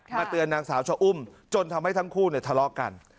เตือนนางสาวชะอุ้มจนทำให้ทั้งคู่เนี่ยทะเลาะกัน